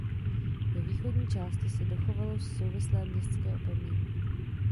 Ve východní části se dochovalo souvislé městské opevnění.